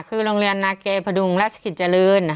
คือโรงเรียนนาเกบธุงรุนรัชกิจจระลื้น